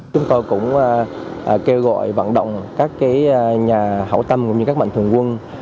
chúng tôi cũng kêu gọi vận động các nhà hậu tâm cũng như các mạnh thường quân